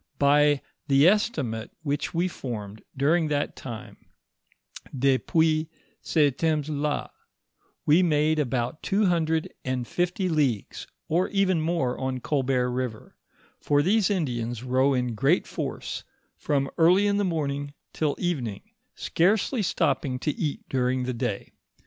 By the estimate which we formed, during that time (depuis cetemps \k), we made about two hundred and fifty leagues, or even more on Colbert river; for these Indians row in great force, from early in the morning till evening, scarcely stopping to eat during the day.